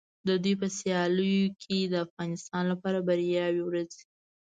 د دوی په سیالیو کې د افغانستان لپاره بریاوې ورځي.